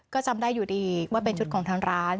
ก็จำได้อยู่ดีว่าเป็นชุดของทางร้าน